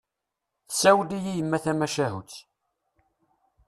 Tsawel-iyi yemma tamacahut.